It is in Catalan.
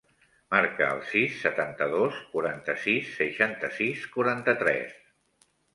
Marca el sis, setanta-dos, quaranta-sis, seixanta-sis, quaranta-tres.